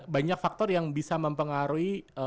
banyak faktor yang bisa mempengaruhi